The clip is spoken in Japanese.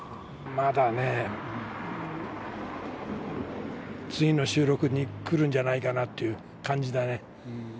まだね、次の収録に来るんじゃないかなっていう感じだね。